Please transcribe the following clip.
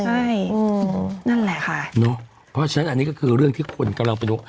ใช่อืมนั่นแหละค่ะเนอะเพราะฉะนั้นอันนี้ก็คือเรื่องที่คนกำลังไปดู